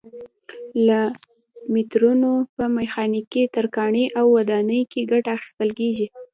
له مترونو په میخانیکي، ترکاڼۍ او ودانیو کې ګټه اخیستل کېږي.